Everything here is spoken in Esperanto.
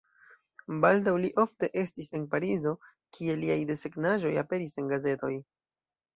Baldaŭ li ofte estis en Parizo, kie liaj desegnaĵoj aperis en gazetoj.